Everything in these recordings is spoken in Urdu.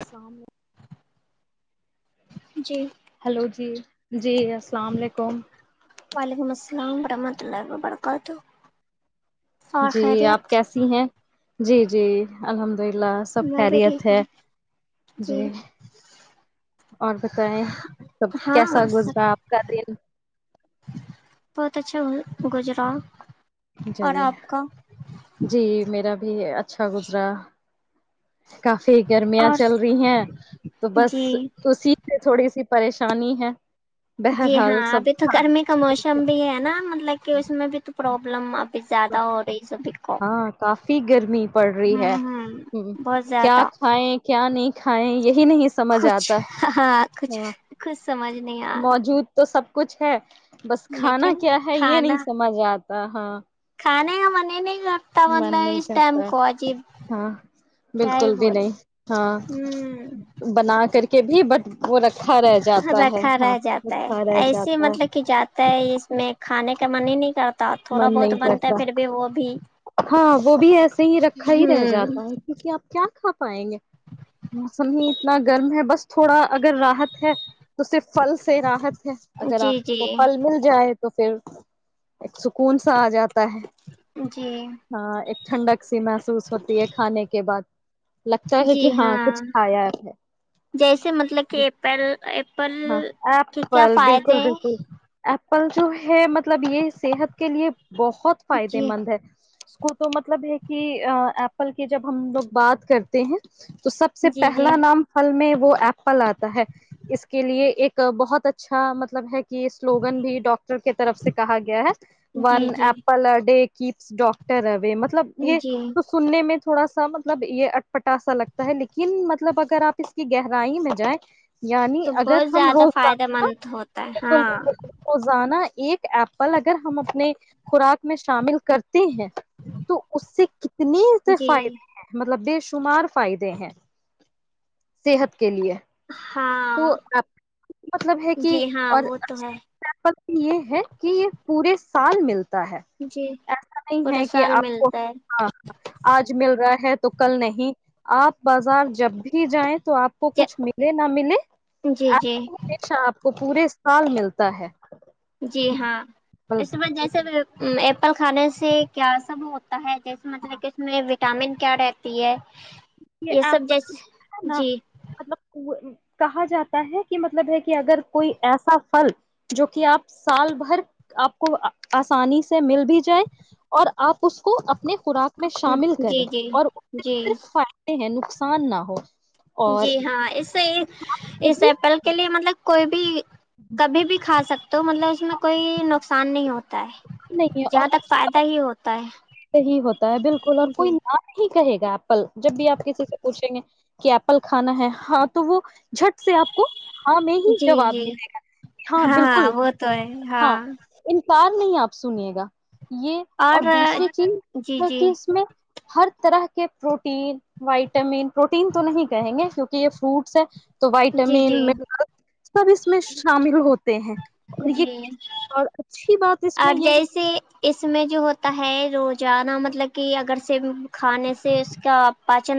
السلام علیکم جی ہلو جی جی السلام علیکم وعلیکم السلام ورحمۃ اللہ وبرکاتہ اور جی آپ خیریت کیسی ہیں جی جی الحمدللہ دلہ سب میں بھی خیریت ٹھیک ہے ہوں جی اور بتائ سب کیسا ہاں سب گزرا آپ کا دن بہتچا گجرا جگ جی میرا بھی اچھا گزرا کافی گرمیاں اور چل رہی ہیں تو بس جی اسی سے تھوڑی سی پریشانی ہے جی بہرحال ہاں ابھی سب تو گرمی کا موسم بھی ہے نا مطلب کہ اس میں بھی تو پروابلم ہاں کافی گرمی پڑ رہی ہے ہوں ہوں ہ بہت کیا زیادہ کھائائے کیا نہیں [inaudible] کھائیں یہ کچھ ہاں کچھ کچھ سمجھ نہیں آ رہا موجود تو سب کچھ ہے بس کھانا لیکن کیا ہے یہ کھانا نہیں سمجھ آتی ا ہاں [inaudible] کھانے کا من نہیں کرتا من مطلب نہیں اس ٹائم کرتا کو عجیب ہاں کیا ہی بالکل بھی نہیں بولے ہاں ہوں بنا کر کے کے بھی بٹ وہ رکھا رہ جاتا ہے رکھا ہاں رہ جاتا ہے رکھا رہ ایسے جاتا ہے مطلب کہ جاتا ہے اس میں کھانے کا من ہی نہیں کرتا تھوڑا من بہت نہیں بنتا ہے کرتا پھر بھی وہ بھی ہاں وہ بھی ایسے ہی رکھا ہی رہ ہوں جاتا ہے کیونکہ آپ کیا کھا پائیں گے موسم ہی اتنا گرم ہے بس تھوڑا اگر راحت ہے تو صرف پھل سے راحت اگر جی آپ جی کو پھل مل جائے تو تو پھر ایک سکون سا آ جاتا ہے جی ہاں ایک ٹھنڈک سی محسوس ہوتی ہے کھانے کے بعد لگتا ہے کہ ہاں کچھ کھایا ہے جیسے مطلب کہ ایپل ایپل ہاں کے کیا ایپل فائدے بالکل ہیں؟ بالکل پلچو ہے مب مطلب یہ صحت کے لیے بہت فائدے جی مند ہے کو تو مطلب ہے کہ ایپل کے جب ہم لوگ بات کرتے ہیں تو سب سے جی جی پہلا نام فل میں وہ ایپل آتا ہے اس کے لیے ایک بہت اچھا مطلب ہے سلوگن بھی ڈاکٹر کی طرف سے کہا گیا ہے جی ون جی ایپل ا ڈے کپس ڈاکٹروم مطلب یہ جی تو سننے میں تھوڑا سا مطلب یہ اٹپٹا سا لگتا ہے لیکن مطلب اگر آپ اس کی گہرائی میں جائیں یعنی تو اگر بہت ہم زیادہ روزانہ فائدہ مند ہوتا ہے ہاں انا ایک ایپل اگر ہم اپنے خوراک میں شامل کرتے ہیں تو اس سے کتنے جی فائدے ہیں مطلب د شمار فائدے ہیں صحت کے لیے تو ہاں مطلب ہے کہ جی ہاں اور وہ تو ہے ا [unintelligible] یہ ہے کہ یہ پورے سال ملتا ہے جی ایسا نہیں پورا ہے کہ سال آپ کو ملتا ہے ہاں آج مل رہا ہے تو تو کل نہیں آپ بازار جب بھی جائیں تو آپ کو کچھ ملے نہ ملے جی جی ایسا ہمیشہ آپ کو پورے سال ملتا ہے جی ہاں ایپل اس کے بعد جیسے ل کھانے سے کیا سب ہو ہے جیسے مطلب کہ اس میں وٹامن کیا رہتی ہے یہ آپ سب کا جیسے ہے نا جی مطلب کہا جاتا ہے کہ مطلب ہے کہ اگر کوئی ایسا فھل جو کہ آپ سال بھر آپ کو آسانی سے مل بھی جائے اور آپ اس کو اپنی خوراک میں شامل کرے جی جی اور اس جی صرف ہیں نقصان نہ ہو اور جی ہاں اس سے یہ اس بھی ایپل کے لیے مطلب کوئی بھی کبھی بھی کھا سکتے تو مطلب اس میں کوئی نقصان نہیں ہوتا ہے جہاں تک فائدہ ہی ہوتا ہے صحی ہوتا ہے بالکل اور کوئی جی نام کہے گا ایپل جب بھی آپ کسی سے پوچھیں گے کہ ایپل کھانا ہے ہاں تو وہ جھٹ سے آپ کو ہاںیں ہی جی جواب جی ملے گا ہاں بالکل ہاں ان پار نہیں آپ سنیے گا یہ اور دوسریے ج جی کہ جی اس میں ہر طرح کے پروٹین وائٹامن پروٹین تو نہیں کہیں گے کیونکہ یہ فروٹس ہے تو جی وائٹامن جی م سب اس میں شامل ہوتے ہیں اور جی یہ اور اچھی بات اس میں اور یہ ہے جیسے اس میں جو ہوتا ہے روز جدہ مطلب کہ اگر سے کھانے سے اس کا پاچن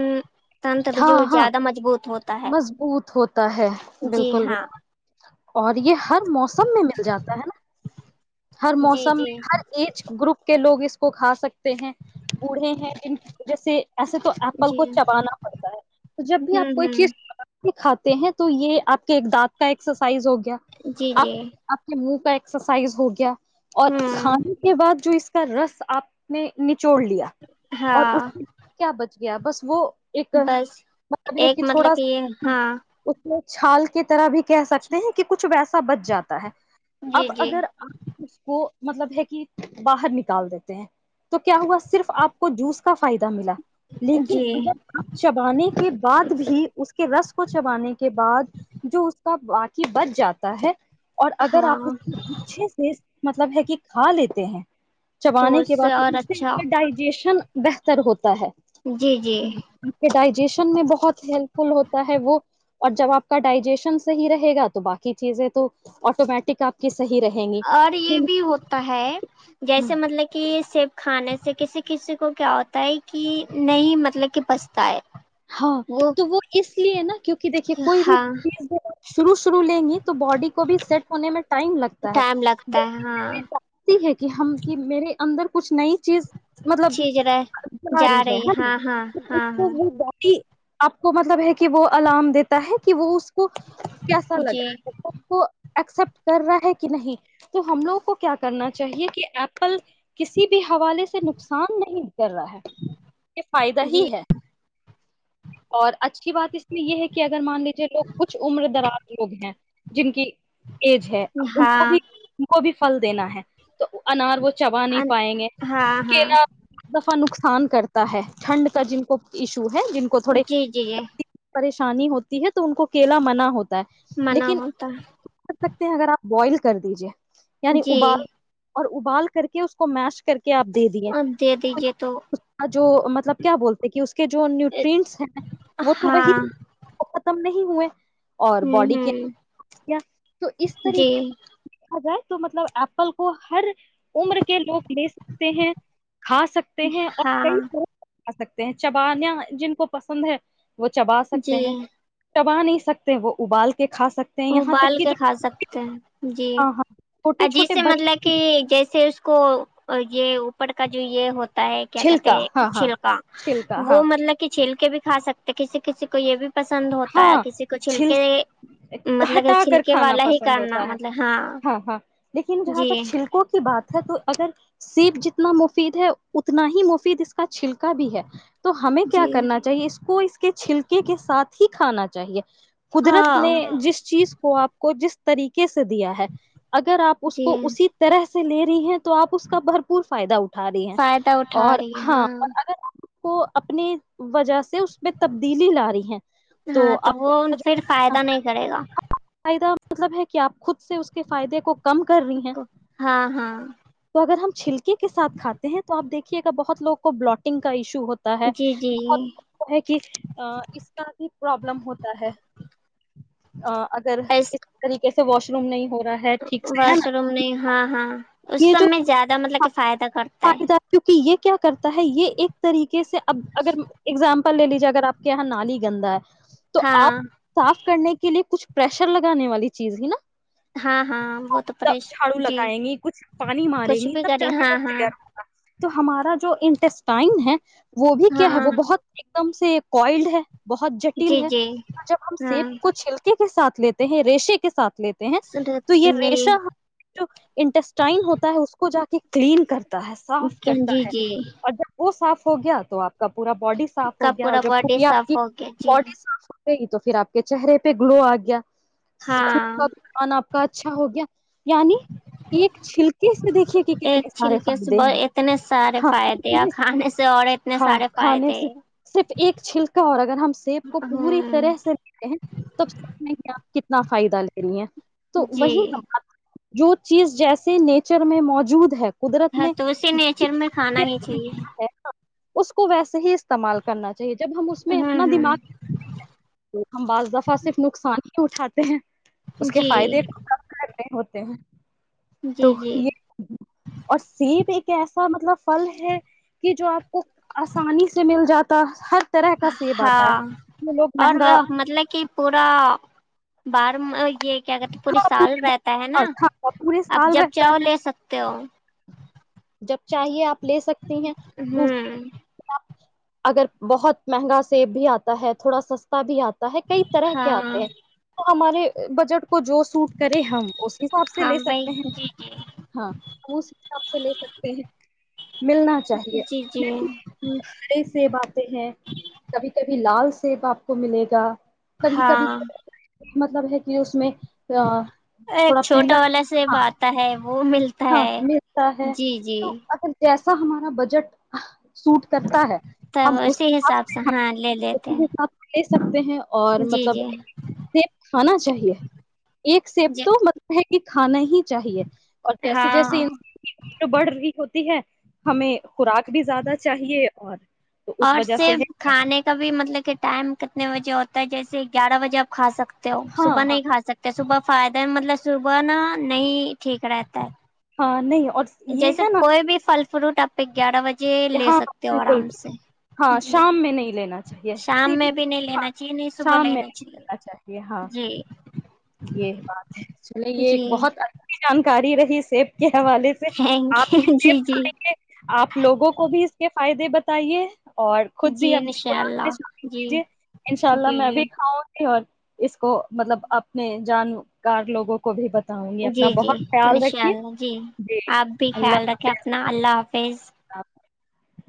تنتر تو ہاں جو ہاں زیادہ مضبوط ہوتا ہے مضبوط ہوتا ہے جی بالکل ہاں بالکل اور یہ ہر موسم میں مل جاتا ہے نا ہر جی موسم جی میں ہر ایج گروپ کے لوگ اس اس کو کھا سکتے ہیں بوڑے ہیں جن کی وجہ سے ایسے تو ایپل کو جی چبانا پڑتا ہے تو جب بھی ہوں آپ کوئی ہوں چیز کھاتے ہیں تو یہ آپ کے ایک دانت کا ایک سائز ہو گیا جی آپ جی آپ کے منہ ایکسرسائز ہوگی کیا اور ہوں کھانے کے بعد جو اس رس آپ نے نت چوڑ لیا اور اس ہاں کیا بتا گیا بس وہ ایک بس مطلب ہے ایک کہ تھوڑا مطلب یہ ہاں اس میں چھال کی طرح بھی کہہ سکتے ہیں کہ کچھ ویسا بچ جاتا ہے اب جی جی اگر آپ وہ مطلب ہے کہ باہر نکال دیتے ہیں تو کیا ہوا صرف آپ کو جوس کا فائدہ ملا لیکن جی اگر آپ چبانے کے بعد بھی اس کے رس کو چبانے کے بعد جو اس کا کہ بچ جاتا ہے اور اگر ہاں آپ اس کو اچھے سے مطلب ہے کہ کھا لیتے ہیں تو چبانے کے بعد اور اس سے اچھا کا ڈائجیشن بہتر ہوتا ہے جی جی آپ کے ڈائجیشن میں بہت ہیلپ فل ہوتا ہے وہ اور جب آپ کا ڈائجیشن صحیح رہے گا تو باقی چیزیں تو آٹومیٹک آپ کی صحیح رہیں گی اور یہ ہاں بھی ہوتا ہے جیسے مطلب کہ سیب کھانے سے ج سے کسی کسی کو کیا ہوتا ہے کہ نہیں مطلب کہ بچتا ہے ہاں تو وہ اس لیے نا کیونکہ دیکھیے کوئی بھی ہاں چیز شرو رو لیں گی تو باڈی کو بھی سیٹ ہونے میں ٹائم لگتا ہے ٹائم لگتا ہے ہاں جانتی ہے کہ ہم کی میرے اندر کچھ نہیں چیز مطلب چیز رہ جا رہی ہے نا ہاں ہاں ہاں ہاں اسز آپ کو مطلب ہے کہ وہ الارم دیتا ہے کہ وہ اس کو کیسا جی لگا کو ایکسپٹ کر رہا ہے کہ نہیں تو ہم لوگوں کو کیا کرنا چاہیے کہ ایپل کسی حوالے سے نقصان نہیں کر رہا ہے یہ فائدہ ہی جی ہے اور اچھی بات اس میں یہ ہے کہ اگر مان لیجیے لوگ کچھ عمر دراز لوگ ہیں جن کی ایج ہے ا ان کو ہاں بھی ان کو بھی فھل دینا ہے تو انار وہ تو چبا نہیں پائیں گے ہاں کہ ہاں ن ایک دفعہ نقصان کرتا تا ہے ٹھنڈ کا جن کو ایشو [inaudible] جن کو جی جی جی تھوڑےریش شانی ہوتی ہے تو ان کو کیلا منا ہوتا ہے منع لیکن ہوتا کیا کر سکتے ہیں اگر آپ بوائل کر دیجیے ہے یعنی جی ابال اور ابال کر کے اس کو میش کر کے آپ دے دیے اب دے دیجیے تو [inaudible] جو مطلب کیا بولتے کہ اس جو نیوٹرینٹس ہیں وہ تو وہی ہاں ختم نہیں ہوئے [inaudible] اور ہوں باڈی کے ہوں تو اس جی طریقے سے دیکا جائے تو مطلب ایپل کو ہر عمر کے لوگ لے سکتے ہیں کھا سکتے ہیں اور کئی ہاں لوگ آ سکتے ہیں چبانیا جن کو پسند ہے وہ چبا سکتے جی ہیں ٹبا نہیں سکتے وہ ابالتے ابال کے کھا سکتے ہیں جی ہاں ہاں چھوٹے جس چھوٹے سے بچے مطلب کہ جیسے اس کو یہ اوپر کا جو یہ ہوتا تا ہے کیا کہتے چھلکا ہاں ہاں چھلکا چھلکا وہ ہاں مطلب کہ چھیل کے بھی کھا سکتے ہیں کسی کسی کو یہ بھی پسند ہوتا ہے ہاں کسی کو چھل چھلکے مطلب کہ ہٹا کر چھلکے کھانا والا ہی پسند کرنا ہوتا ہے مطلب ہاں ہاں لیکن جہاں جی تک چھلکوں کی بات ہے تو اگر سیب جتنا مفید ہے اتنا ہی مفید اس کا چھلکا بھی ہے تو ہمیں کیا جی کرنا چاہیے اس کو اس کے چھلکے کے ساتھ ہی کھانا چاہیے قدرت نے ہاں جس چیز کو آپ کو جس طریقے سے دیا ہے اگر آپ اس جی کو اسی طرح سے سے لے رہی ہیں تو آپ اس کا بھرپور فائدہ اٹھا اٹھا رہی ہیں فائدہ اٹھا اور رہی ہے ہاں اور اگر کو اپنی وجہ سے اس میں تبدیلی لا رہی ہیں ہاں تو آپ وہ کا پھر جو فائدہ نہیں کرے گا فائدہ مطلب ہے کہ آپ خود سے اس کے فائدے کو کم کر رہی ہیں کو، ہاں ہاں تو اگر ہم چھلکے کے سات کھاتے ہیں تو آپ دیکھیے گا بہت لوگ کو بلٹنگ کا ایشو ہوتا ہے جی جی بہت وہ ہے کہ اس پرابلم ہوتا ہے ا اگر ک اس طریقے سے واش روم نہیں ہو رہ واش روم نہیں ہاں ہاں اس یہ سب جو میں زیادہ مطلب کہ فائدہ کرتا ہے فائدہ کیونکہ یہ کیا کرتا ہے یہ ایک طریقے سے اب اگر اگزامپل لے لیجیے اگر آپ یہاں نالی گا ہے تو آپ ہاں صاف کرنے کے لیے کچھ پرریشر لگانے والی چیز ہی نا ہاں ہاں وہ تو پریشان جی لگائیں گی کچھ پانی ماریں کچھ گی بھی تب جا کریں کے ہاں وہ ہاں کلیئر ہوگا تو ہمارا جو ان اسٹائن ہے وہ بھی کیا ہے ہاں وہ بہت ایک دم سے کوائلڈ ہے بہت جٹل جی ہے جی اور جب ہم سیب ہاں کو چھلکے کے ساتھ لیتے ہیں ریشے کے ساتھ لیتے ہیں تو یہ ریشا جو انٹسٹائن ہوتا ہے اس کو جا کے کلین کر تا ہے صاف کرتا جی ہے جی اور جب وہ صاف ہو گیا تو آپ کا پورا باڈی صاف کا ہو گیا اور پورا جب باڈی پوریا ج صاف ہو گیا [inaudible] جی گ تو پھر آپ کے چہرے پہ گلو آ گیا خون ہاں کا سان آپ کا اچھا ہو گیا یعنی ایک چھلکے سے دیکھیے کہ ایک کتنے سارے چھلکے سے فائدے ب ہیں اتنے سارے ہاں فائدے کھانے سے اور اتنے ہاں سارے کھانے فائدے سے صرف ایک چھلکے اگر ہم سیب کو پوری ہوں طرح سے لیتے ہیں توب سیب میں کیا کتنا فائدہ لے رہی ہیں تو جی وہی ن جو چیز جیسے نیچر میں موجود ہے قدرت ہ نے تو اسے نیچر میں کھانا ہی چاہیے ہے اس کو ویسے ہی استعمال کرنا چاہی ج جب ہم میں ہوں اپنا ہوں دماغ ہم بعض دفعہ صرف نقصان تو اٹھاتے ہیں اس کے جی فائدے ہوتے ہیں تو جی جی یہ اور سیب ایک ایسا مطلب فل ہے کہ جو آپ کو آسانی سے مل جاتا ہر طرح کا سیب آتا ہے ہاں جو لوگ اور مہنگا مطلب کہ پورا بار یہ کیا کہتے پوری سال رہتا ہے نا پورے آپ سال جب رہتا چاہو ہے لے سکتے ہو جب چاہیے آپ لے سکتی ہیں دوسری ہوں اگر بہت مہنگا سیب بھی آتا ہے تھوڑا سستا بھی آتا ہے کئی طرح کے آتے ہاں ہیں ہمارے بجٹ کو جو سوٹ کرے ہم اس حساب سے ہاں لے بھائی سکتے ہیں جی جی ہاں ہم اس حساب سے لے سک ملنا چاہیے جی اس جی میں بھی ہارے سیب آتے ہیں کبھی کبھی لاس سیب آپ کو ملے گا کبھی کبھی ہاں مطلب ہے کہ اس میں آ، ایک تھوڑا پیلا چھوٹا والا سب ہاں آتا ہے وہ ملتا ہاں ہے ملتا ہے جی جی تو اگر جیسے سا ہمارا بجٹ سوٹ کرتا ہے تب ہم اس اسی حساب سے سےھ ہاں لے لیتے اسی [unintelligible] ہیں حساب سے لے سکتے ہیں اور جی مطلب جی سیب کھانا چاہیے ایک سیب جی تو مطلب کہ کھانا ہی چاہیے اور جیسے ہاں جیسے ان [unintelligible] بڑھ رہی ہوتی ہے ہمیں خوراک بھی زیادہ چاہیے اور تو اس اور وجہ سے ہے صرف کھانے کا بھی مطلب کہ ٹائم کتنے بجے ہوتا ہے جیسے گیارہ بجے آپ کھا سکتے ہو ہاں صبح ہاں نہیں کا سکتے صبح فائدہ مطلب صبح نا نہیں ٹھیک رہتا ہے ہا نہی جیسے کوئی بھی فل فروٹ آپے گیارہ بجے جی لے ہاں سکتے ہو بالکل آرام سے بالکل، ہاں جی شام میں نہیں لینا چاہیے کسی شام میں بھی نہیں ہاں لینا چاہیے نہیں صبح شام میں لینا نہیں چاہیے لینا چاہیے ہاں جی یہ ب ہے چلے یہ ایک جی بہت ا [unintelligible] چ جانکاری رہی سیب کے حوالے سے تھینک آپ یو [unintelligible] جی جی ک گے آپ لوگوں کو بھی اس کے فائدے بتائیے اور خود جی بھی اپنی انشاء خوراک اللہ جی کیجے ان شاء اللہ جی میں جی بھی کھاؤں اور اس کو مطلب آپ نے جانکار لوگوں کو بھی بتا جی جی انشاء اللہ جی آپ بھی اللہ خیال رکھیں حافظ اپنا اللہ آپ [unintelligible] آپ [unintelligible]